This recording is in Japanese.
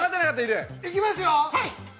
◆行きますよ。